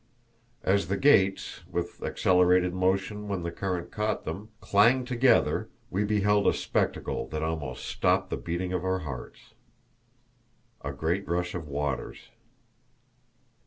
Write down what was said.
As the gates, with accelerated motion when the current caught them, clanged together, we beheld a spectacle that almost stopped the beating of our hearts. A Great Rush of Waters.